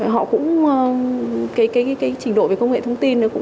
họ cũng cái trình độ về công nghệ thông tin là không đúng